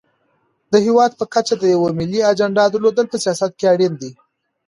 د هېواد په کچه د یوې ملي اجنډا درلودل په سیاست کې اړین دي.